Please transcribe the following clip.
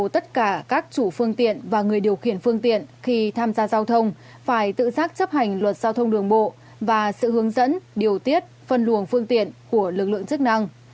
tất cả các chủ phương tiện và người điều khiển phương tiện khi tham gia giao thông phải tự giác chấp hành luật giao thông đường bộ và sự hướng dẫn điều tiết phân luồng phương tiện của lực lượng chức năng